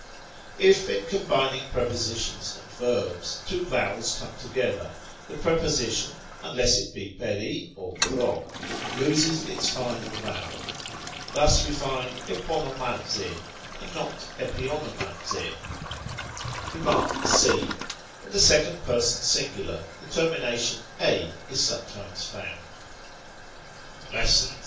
1, in combining prepositions and verbs, two vowels come together, the preposition (unless it be περί or πρό) loses its final vowel. Thus we find ἐπονομάζῃ and not ἐπιονομάζῃ. Rem. c. In the second pers. sing. the termination εἰ is sometimes found. _ 891.